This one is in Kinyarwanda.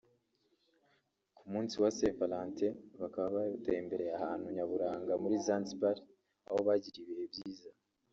ku munsi wa St Valentin bakaba bari batembereye ahantu nyaburanga muri Zanzibar aho bagiriye ibihe byiza